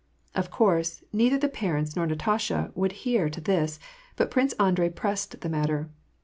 Of course, neither the parents nor Natasha would hear to this, but Prince Andrei pressed the matter.